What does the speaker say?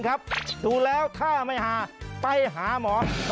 บั่ยหนุ่ม